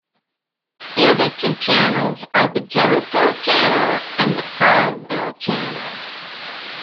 The other two channels are the Jellicoe Channel and the Colville Channel.